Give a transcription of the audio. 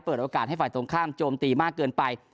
โอกาสให้ฝ่ายตรงข้ามโจมตีมากเกินไป